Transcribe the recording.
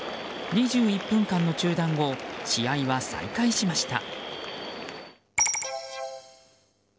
２１分間の中断後試合は再開しました。